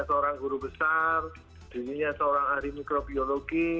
seorang guru besar dirinya seorang ahli mikrobiologi